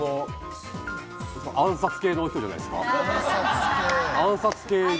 暗殺系の人じゃないですか？